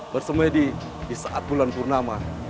bersemedi di saat bulan purnama